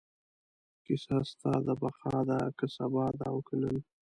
کیسه ستا د بقا ده، که سبا ده او که نن